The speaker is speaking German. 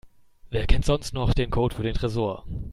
Wer kennt sonst noch den Code für den Tresor?